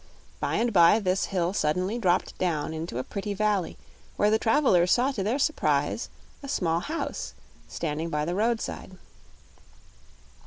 By and by this hill suddenly dropped down into a pretty valley, where the travelers saw, to their surprise, a small house standing by the road side.